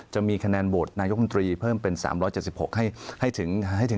จะมีคะแนนโหวตนายกมนตรีเพิ่มเป็น๓๗๖ให้ถึง